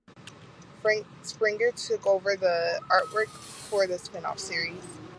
Frank Springer took over the artwork for the spin-off series.